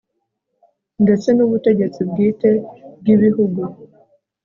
ndetse n' ubutegetsi bwite bw' ibihugu